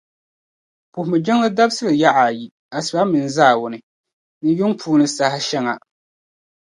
Puhimi jiŋli dabsili yaɣa ayi asiba mini zaawuni, ni yuŋ puuni saha shεŋa.